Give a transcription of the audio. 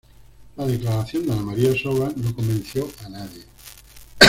La declaración de Ana María Soba no convenció a nadie.